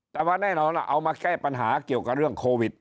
แต่ว่าแน่นอนเอามาแก้ปัญหาเกี่ยวกับเรื่องโควิด